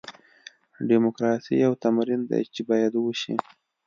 ډیموکراسي یو تمرین دی چې باید وشي.